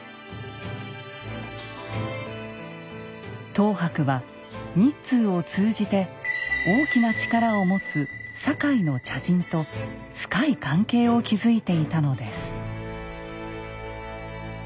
等伯は日通を通じて大きな力を持つ堺の茶人と深い関係を築いていたのです。